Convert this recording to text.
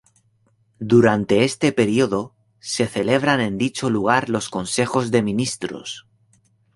Durante este período se celebran en dicho lugar los Consejos de Ministros.